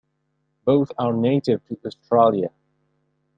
Both are native to Australia.